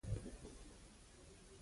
د ونې پاڼې د باد په جریان کې الوزیدې.